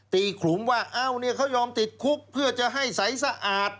ขลุมว่าเอ้าเนี่ยเขายอมติดคุกเพื่อจะให้ใสสะอาด